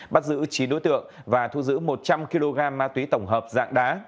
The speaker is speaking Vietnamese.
bắt giữ chín đối tượng và thu giữ một trăm linh kg ma túy tổng hợp dạng đá